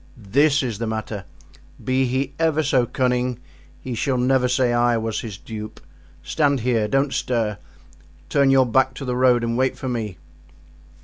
"This is the matter: be he ever so cunning he shall never say I was his dupe. Stand here, don't stir, turn your back to the road and wait for me."